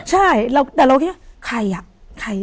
ใช่แต่เราคิดว่าใครอ่ะ